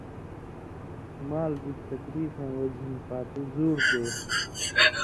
مال بِگ تکلیفَیں وجہۡ ہِن پاتُو زُور دے